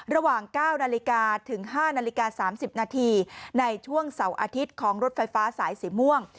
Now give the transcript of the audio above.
ระหว่าง๙นาฬิกาถึง๕นาฬิกา๓๐นาทีในช่วงเสาร์อาทิตย์ของรถไฟฟ้าสายสีม่วง